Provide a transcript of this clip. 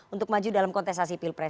untuk maju dalam kontestasi pilpres